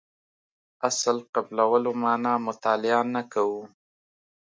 اصل قبلولو معنا مطالعه نه کوو.